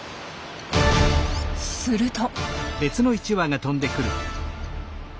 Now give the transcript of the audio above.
すると。